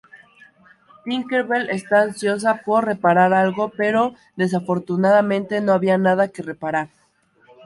Tinker Bell está ansiosa por reparar algo pero desafortunadamente no había nada que reparar.